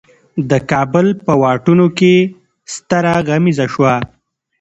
د کابل په واټونو کې ستره غمیزه شوه.